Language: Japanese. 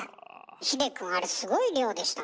秀くんあれすごい量でしたね。